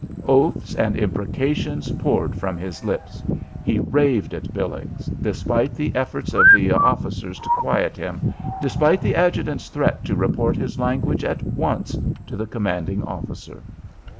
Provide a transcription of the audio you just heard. Oaths and imprecations poured from his lips; he raved at Billings, despite the efforts of the officers to quiet him, despite the adjutant's threat to report his language at once to the commanding officer.